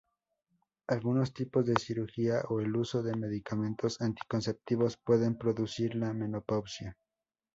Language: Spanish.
Algunos tipos de cirugía o el uso de medicamentos anticonceptivos pueden producir la menopausia.